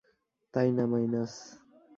তাই না, মাইনাস?